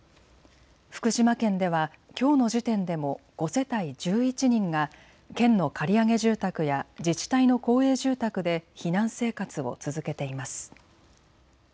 福島県では、きょうの時点でも５世帯１１人が県の借り上げ住宅や自治体の公営住宅で避難生活を続けています。